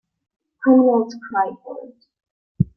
Criminals cry for it.